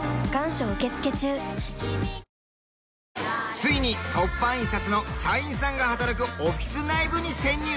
ついに凸版印刷の社員さんが働くオフィス内部に潜入。